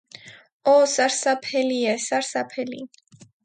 Օ՜, սարսափելի է, սարսափելի…